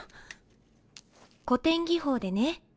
古典技法でね